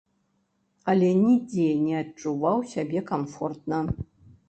Але нідзе не адчуваў сябе камфортна.